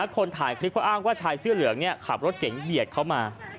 คนถ่ายคลิปเขาอ้างว่าชายเสื้อเหลืองขับรถเก๋งเบียดเขามา